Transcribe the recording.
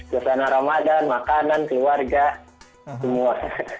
suasana ramadan makanan keluarga semua